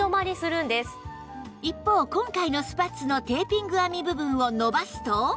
一方今回のスパッツのテーピング編み部分を伸ばすと